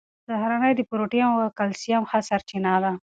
سهارنۍ د پروټین او کلسیم ښه سرچینه ده.